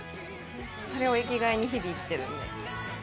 それを生きがいに日々生きてるんで。